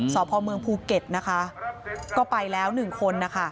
สพมภูเก็ตก็ไปแล้ว๑คน